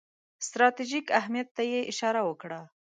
ستراتیژیک اهمیت ته یې اشاره وکړه.